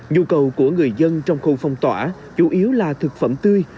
nhu cầu của người dân trong khu phong tỏa chủ yếu là thực phẩm tươi